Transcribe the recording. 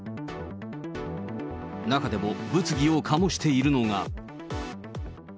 中でも物議を醸しているのが。